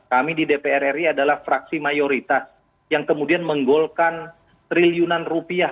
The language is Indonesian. kami di dpr ri adalah fraksi mayoritas yang kemudian menggolkan triliunan rupiah